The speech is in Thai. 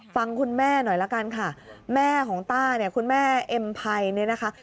ฟังคุณแม่หน่อยละกันค่ะแม่ของต้าเนี่ยคุณแม่เอ็มไพรเนี่ยนะคะ